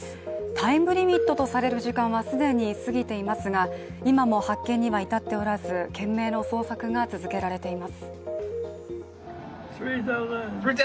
タイムリミットとされる時間は、既に過ぎていますが、今も発見には至っておらず懸命の捜索が続けられています。